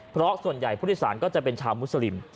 เพราะส่วนใหญ่ผู้โดยสารก็จะเป็นชาวมุสลิม